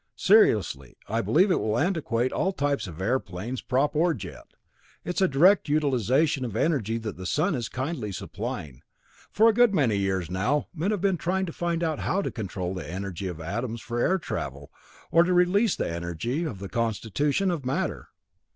Seriously, I believe it will antiquate all types of airplanes, prop or jet. It's a direct utilization of the energy that the sun is kindly supplying. For a good many years now men have been trying to find out how to control the energy of atoms for air travel, or to release the energy of the constitution of matter.